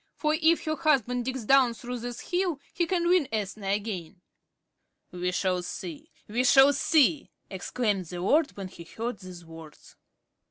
For if her husband digs down through this hill, he can win Ethna again." "We shall see! We shall see!" exclaimed the lord when he heard these words.